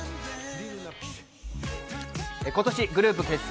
今年グループ結成